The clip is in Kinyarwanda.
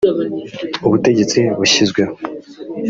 ubutegetsi bushyizweho.